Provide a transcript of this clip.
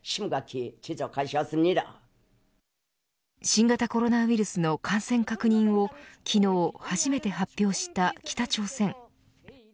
新型コロナウイルスの感染確認を昨日、初めて発表した北朝鮮。